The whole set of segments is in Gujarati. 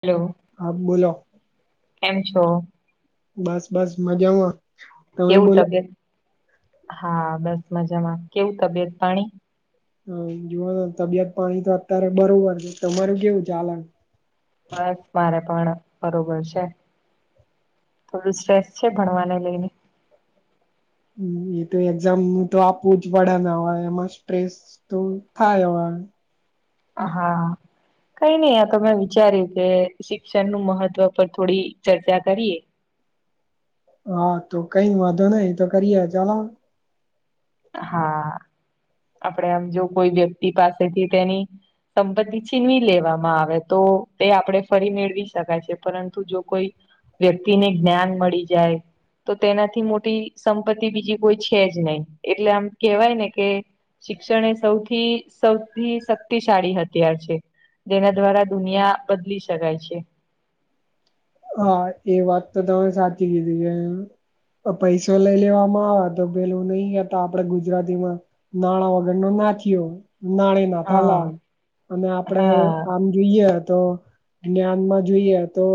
હેલો હા બોલો કેમ છો બસ બસ મજા કેવું તબિયત હા બસ મજામાં કેવું તબિયત પાણી હ જોુવા તબિયત પાણી તો અત્યારે બરોબર તમારું કેવું ચાલણ બસ મારે પણ બરોબર છે થોડું સ્ટ્રેસ છે ભણવાને લઈને હ એ તો એક્ઝામ તો આપવું જ પડેને હવે એમાં સ્ટ્રેસ તોું થાય હ હા કઈ નહી આ તમે વિચાર્યું કે શિક્ષણ નું મહત્વ પર થોડી ચર્ચા કરીએ હા તો કઈ વાંધો નઈ તો કરીએે ચાલો હા આપડે આમ જો કોઈ વ્યક્તિ પાસેથી તેની સંપત્તિ ચિ ન લેવામાં આવે તો તે આપણે ફરી મેળવી શકાય છે પરંતુ જો કોઈ વ્યક્તિને જ્ઞાન મળી જાય તો તેનાથી મોટી સંપત્તિ બીજી કોઈ છે જ નહી એટલે આમ કેહેવાય ને કે શિક્ષણ એ સૌથી સૌથી શક્તિશાળી અત્યાર છે તેના દ્વારા દુનિયા બદલી શકાય છે હા એ વાત તો તમે સાચી કીધી છે એમ પૈસો લઈ લેવામાં આવે તો પેલું નહી ગતા આપડે ગુજરાતીમાં નાણાં વગરનોો નાખ્યો નાણી ના તલાલ હા અને આપડે હા આમ જોઈએ તો જ્ઞાનમાં જોઈએ તો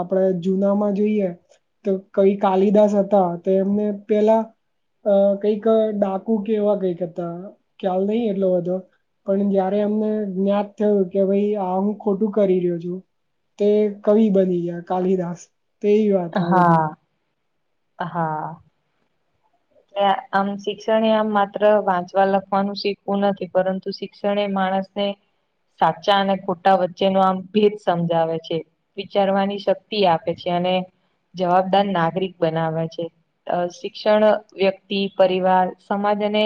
આપણે જુનામાં જોઈએ તો કઈ કાલિદાસ હતા તો એમને પેલા અ કઈક ડાકુ કેવા કઈક હતા ખ્યાલ નહીિ એટલો બધો પણ જયારે અમને જ્ઞાત થયું કે ભાઈ આ હું ખોટું કરી રહ્યો છું. તે કવિ બની ગયા કાલિદાસ તેવી વાત આ હા બધી હા આમ શિક્ષણ આમ માત્ર વાંચવા લખવાનું શીખવું નથી પરંતુ શિક્ષણ માણસ સાચા અને ખોટા વચ્ચે ન આમ ભેદ સમજાવે છે વિચારવાની શક્તિ આપે છે અને જવાબદાર નાગરિક બનાવે છે. શિક્ષણ વ્યક્તિ પરિવાર સમાજ અને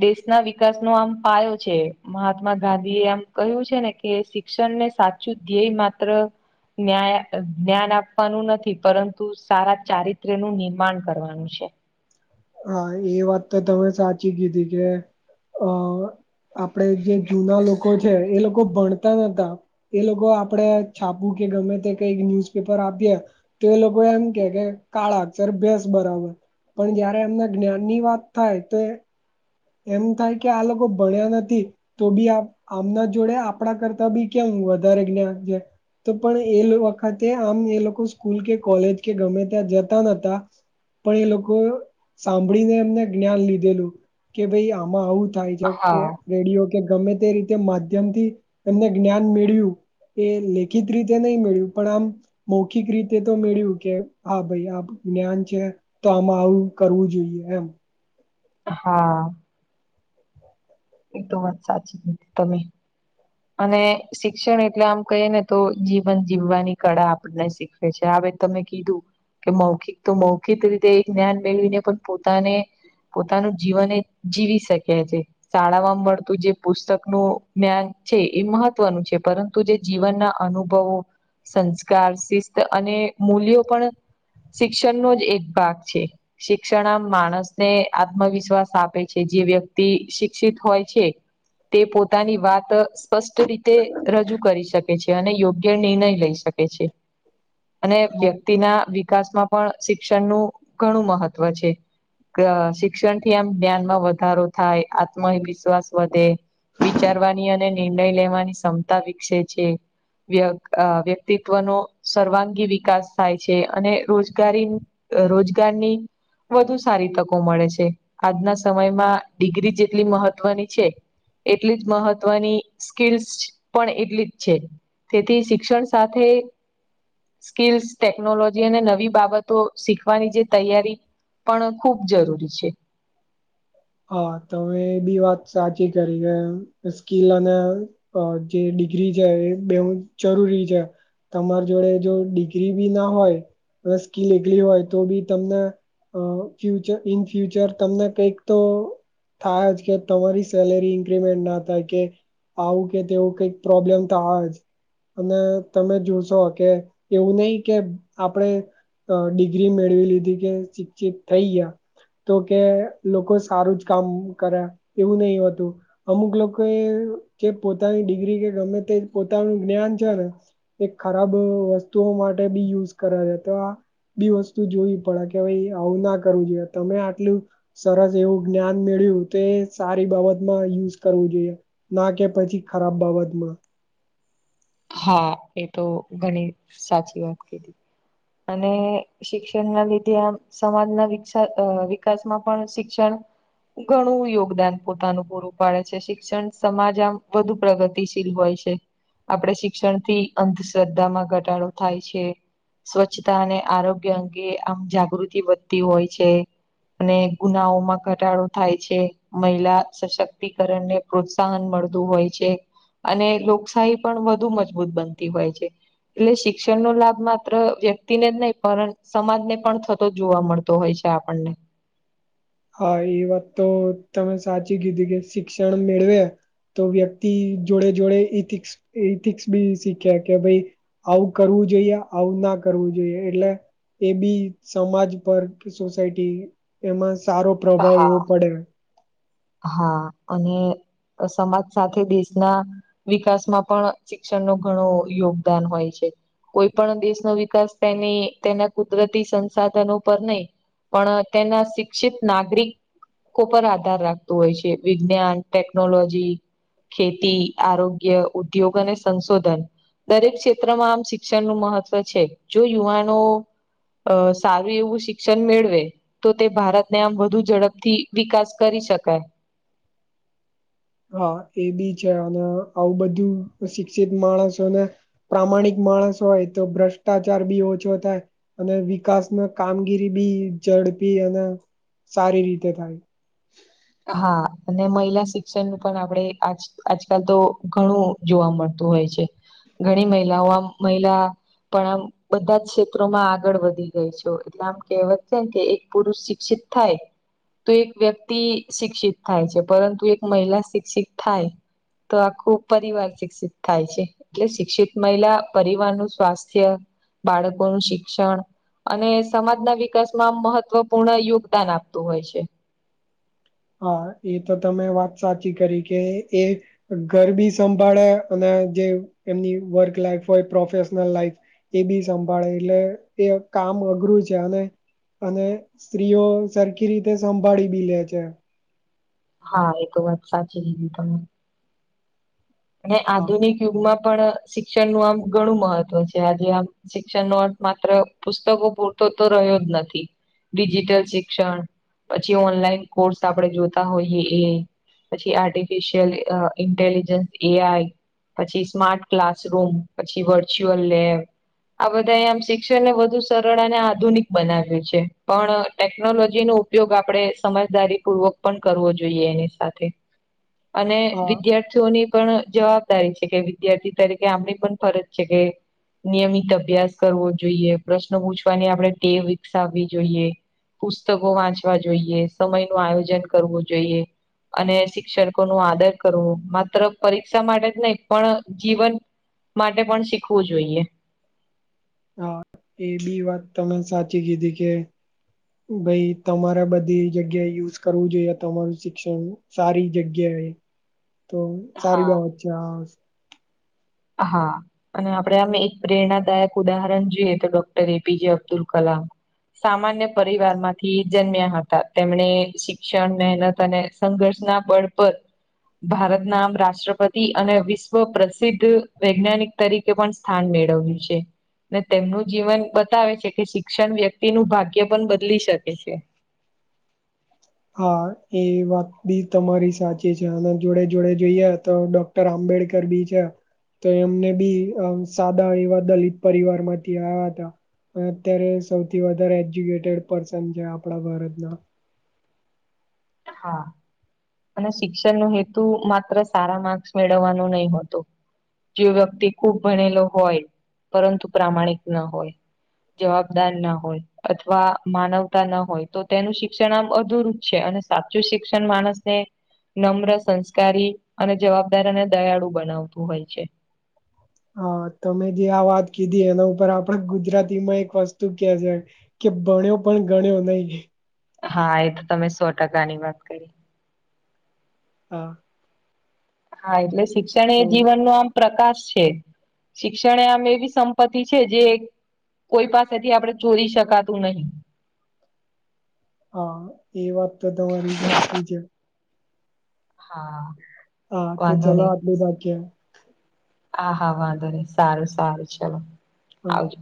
દેશ ના વિકાસ નો આમ પાયો છેહ્દ મહાત્મા ગાંધી એ આમ કહ્યું છે ને કે શિક્ષણને સાચું ધ્યેય માત્ર ન્યા જ્ઞાન આપવાનું નથી પરંતુ સારા ચારિત્ર્ય નું નિર્માણ કરવાનું છે. હા એ વાત તો તમે સાચી કીધી કે અ આપડે જે જૂના લોકો છે એ લોકો ભણતા નતા. એ લોકો આપણેે છાપવું કે ગમે તે કઈક ન્યુઝપેપર આપીએ. તો એ લોકો એમ કે કે કાળાક્ષર ભસ બરાબર. પણ જ એમના જ્ઞાન ની વાત થાય તો એમ થાય કે આ લોકો ભણ્યા નથી તો બી આમના જોડે આપણા કરતા બી કેમ વધારે જ્ઞ જે તો પણ એ વખતે આમ એ લોકો સ્કૂલ કે કોલેજ કે ગમે ત્યાં જતા નતા. પણ એ લોકો સાંભળીને એમને જ્ઞાન લીધેલું. કે ભાઈ આમાં આવું થાય છે કે હા રેડિયો કે ગમે તે રીતે માધ્યમથી એમને જ્ઞાન મેળ્યું. એ લેખિત રીતે નહી મેળ્યું. પણ આમ મૌખિક રીતે તો મેળ્યું કે હા ભાઈ આ જ્ઞાન છે. તો આમાં આવું કરવું જોઈએ એમ. હા. એ તો વાત સાચી તમે. અને. શિક્ષણ એટલે આમ કહીએ ને તો જીવન જીવવાની કળા આપને શીખવે છે. હવે તમે કીધું કે મૌખિક તો મૌખિક રીતે એક જ્ઞાન મેળવીને પણ પોતાને પોતાનું જીવન એ જીવી શકે છે. શાળા માં મળતું જે પુસ્તક નું જ્ઞાન છે એ મહત્વનું છે. પરંતુ જે જીવનના અનુભવો સંસ્કાર શિસ્ત અને મૂલ્યો પણ શિક્ષણનો જ એક ભાગ છે. શિક્ષણમાં માણસને આત્મવિશ્વાસ આપે છે. જે વ્યક્તિ શિક્ષિત હોય છે તે પોતાની વાત સ્પષ્ટ રીતે રજૂ કરી શકે છે અને યોગ્ય નિર્ણય લઈ શકે છે. અને હા વ્યક્તિના વિકાસમાં પણ શિક્ષણનું ઘણું મહત્ત્વ છે. શિક્ષણ થી આમ જ્ઞાનમાં વધારો થાય, આત્મવિશ્વાસ વધે વિચારવાની અને નિર્ણય લેવાની ક્ષમતા વિકસે છે. વ્યક્તિત્વનો સર્વાંગી વિકાસ થાય છે. અને રોજગારી રોજગારની વધુ સારી તકો મળે છે. આજના સમયમાં ડિગ્રી જેટલી મહત્વની છે એટલી જ મહત્વની સ્કીલ્સ પણ એટલી જ છે. તેથી શિક્ષણ સાથે સ્કીલ્સ ટેકનોલોજી અને નવી બાબતો શીખવાની જે તૈયારી પણ ખૂબ જરૂરી છે. હા તમે બી વાત સાચી કરી એ સ્કીલ અને અ જે ડિગ્રી છે એ બેવું જરૂરી છે. તમાર જોડે જો ડિગ્રી બી ના હોય સ્કીિલ એકલી હોય તો બી તમને ફ્યર ઇન ફ્યુચર તમને કઈક તો થાય જ કે તમારી સેલેરી ઇન્ક્રીમેન્ટ ના થાય કે આવું કે તેવું કંઈક પ્રોબ્લેમ તો આ જ અને તમે જોશો કે એવું નહી કે આપણેે ડિગ્રી મેળવી લીધી કે શિક્ષિત થઈ ગયા તો કે લોકો સારું જ કામ કર્યા એવું નહિ હતું. અમુક લોકો એ જે પોતાની ડિગ્રી કે ગમે તે પોતાનું જ્ઞાન છે ને એક ખરાબ વસ્તુઓ માટે બી યુઝ કરે છે તો આ બી વસ્તુ જોઈ પડે કે ભાઈ આવું ના કરવું જોઈએ તમે આટલું સરસ એવું જ્ઞાન મેળ્યું તે સારી બાબતમાં યુઝ કરવું જોઈએ ના કે પછી ખરાબ બાબતમાં હા એ તો ઘણી સાચી વાત કેધ અને શિક્ષણ ના લીધે આમ સમાજના વિક વિકાસમાં પણ શિક્ષણ ઘણું યોગદાન પોતાનું પૂરું પાડે છે શિક્ષણ સમાજ આમ વધુ પ્રગતિ ગતિશીલ હોય છે આપણે શિક્ષણ થી અંધશ્રદ્ધામાં ઘટાડો થાય છે સ્વચ્છતા અને આરોગ્ય અંગે આમ જાગૃતિ વધતી હોય છે અને ગુનાઓ માં ઘટાડો થાય છે મહિલા સશક્તિકરણ ને પ્રોત્સાહન મળતું હોય છે અને લોકશાહી પણ વધુ મજબૂત બનતી હોય છે એટલે શિક્ષણ નો લાભ માત્ર વ્યક્તિને જ નહી પણ સમાજ ને પણ થતો જ જોવા મળતો હોય છે આપણને હા એ વાત તો તમે સાચી કીધી કે શિક્ષણ મેળવે તો વ્યક્તિ જોડે જોડે ઇથિક્સ ઇથિક્સ બી શીખ્યા કે ભાઈ આવું કરવું જોઈએ આવું ના કરવું જોઈએ એટલે એ બી સમાજ પર સોસાયટી એમાં સારો પ્રભાવ હા એવો પડે હા અને સમાજ સાથે દેશના વિકાસ માં પણ શિક્ષણ ન ઘણું યોગદાન હોય છે કોઈ પણ દેશનો વિકાસ તેની તેના કુદરતી સંસાધનો પર નહી પણ તેના શિક્ષિત નાગરિક પર આધાર રાખ તો હોય છે વિજ્ઞાન ટેકનોલોજી ખેતી આરોગ્ય ઉદ્યોગ અને સંશોધન દરેક ક્ષેત્રમાં આમ શિક્ષણનુંું મહત્વ છે જો યુવાનો અ સારું એવું શિક્ષણ મેળવે તો તે ભારતને આમ વધુ ઝડપથી વિકાસ કરી શકાય હા એ બી છે અને આવું બધું શિક્ષિત માણસોને પ્રામાણિક માણસ હોય તો ભ્રષ્ટાચાર બી ઓછો થાય અને વિકાસમાં કામગીરી બી ઝડપી અને સારી રીતે થાય હા અને મહિલા શિક્ષણ નું પણ આપણેે આજ આજકાલ તો ઘણું જોવા મળતું હોય છે ઘણી મહિલાઓ મહિલા પણ આ બધા જ ક્ષેત્રોમાં આગળ વધી ગઈ છે એટલે આમ કહેવત છેને કે એક પુરુષ શિક્ષિત થાય તો એક વ્યક્તિ શિક્ષિત થાય છે પરંતુ એક મહિલા શિક્ષિત થાય તો આખું પરિવાર શિક્ષિત થાય છે એટલે શિક્ષિત મહિલા પરિવાર નું સ્વાસ્થ્ય બાળકોનું શિક્ષણ અને સમાજના વિકાસમાં મહત્વપૂર્ણ યોગદાન આપતું હોય છે. હા એ તો તમે વાત સાચી કરી કે એ ઘર બી સંભાળે અને જે એમની વર્ક લાઈફ હોય પ્રોફેશનલ લાઈફ એ બી સંભાળે એટલે એ કામ અઘરું છે અને અને સ્ત્રીઓ સરખી રીતે સંભાળી બી લે છે. હા એ તો વાત સાચી રીધી તમે. અને હા આધુનિક યુગમાં પણ શિક્ષણનું આમ ઘણું મહત્વ છે આજે આમ. શિક્ષણ નોટ માત્ર પુસ્તકો પૂરતો તો રહ્યો જ નથી. ડિજિટલ શિક્ષણ પછી ઓનલાઈન કોર્સ આપણે જોતા હોઈએ એ પછી આર્ટિફિશિયલ ઇન્ટેલિજન્સ એ આઈ પછી સ્માર્ટ ક્લાસરૂમ પછી વર્ચ્યુઅલ લેબ આ બધા આમ શિક્ષણને વધુ સરળ અને આધુનિક બનાવ્યું છે પણ ટેકનોલોજી ન ઉપયોગ આપણેે સમજદારી પૂર્વક પણ કરવો જોઈએ એની સાથે. અને હા વિદ્યાર્થીઓની પણ જવાબદારી છે કે વિદ્યાર્થી તરીકે આમને પણ ફરજ છે કે નિયમિત અભ્યાસ કરવો જોઈએ પ્રશ્નો પૂછવાની આપણે ટેવ વિકસાવવી જોઈએ. પુસ્તકો વાંચવા જોઈએ સમય નું આયોજન કરવું જોઈએ. અને શિક્ષકો નું આદર કરવું માત્ર પરીક્ષા માટે જ નહી પણ જીવન માટે પણ શીખવું જોઈએ. હા એ બી વાત તમે સાચી કીધી કે ભાઈ તમારા બધી જગ્યાએ યુઝ કરવું જોઈએ તમારું શિક્ષણ સારી જગ્યાએ. [inaudible] તો સારી હા બાબત છે આ હા અને આપડે અમે એક પ્રેરણાદાયક ઉદાહરણ જોઈએ તો ડોક્ટર એપીજે અબ્દુલ કલામ સામાન્ય પરિવાર માંથી જન્મ્યા હતા તેમણે શિક્ષણ મહેનત અને સંઘર્ષના બળ પર ભારત નામ રાષ્ટ્રપતિ અને વિશ્વ પ્રસિદ્ધ વૈજ્ઞાનિક તરીકે પણ સ્થાન મેળવ્યું છે. ને તેમનું જીવન બતાવે છે કે શિક્ષણ વ્યક્તિ નું ભાગ્ય પણ બદલી શકે છે. હા એ વાત બી તમારી સાચી છે અને જોડે જોડે જોઈએ તો ડોક આંબેડકર બીચ છે. તો એમને બી સાદા એવા દલિત પરિવાર માંથી આવ્યા હતા. અત્યારે સૌથી વધારે એજ્યુકેટેડ પર્સન છે આપણા ભારતના હા. અને શિક્ષણ ન હેતુ માત્ર સારા માર્ક્સ મેળવવાનું નહી હોતું. જે વ્યક્તિ ખૂબ ભણેલો હોય પરંતુ પ્રામાણિક ન હોય. જવાબદાર ના હોય અથવા માનવતા ના હોય તો તેનું શિક્ષણ આમ અધુરુંપ છે અને સાચું શિક્ષણ માણસ ને નમ્ર સંસ્કારી અને જવાબદાર અને દયાળુ બનાવતું હોય છે. હા તમે જે આ વાત કીધી એના ઉપર આપડા ગુજરાતી માં એક વસ્તુ કે છે. કે ભણ્યો પણ ગણ્યો નહી. હા એ તો તમે સો ટકા ની વાત કરી. હા. હા એટલે શિક્ષણ એ તો જીવન નુ આમ. પ્રકાશ છે શિક્ષણ આમ એવી સંપત્તિ છે જે. કોઈ પાસેથી આપડણે ચોરી શકાતું નહી. હા એ વાત તો તમારી સાચી છે. હા હા તો વાંધો ચલો નહી આટલું બાકીય હા હા વાંધો નહી સારું સારું છેલો હા આવજો.